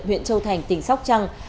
huyện châu thành tỉnh sóc trăng